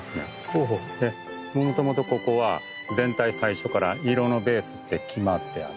もともとここは全体最初から色のベースって決まってあって。